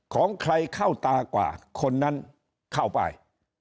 ของใครเข้าตากว่าคนนั้นเข้าไป